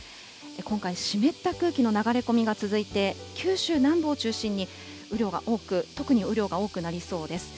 今回、湿った空気の流れ込みが続いて、九州南部を中心に、雨量が多く、特に雨量が多くなりそうです。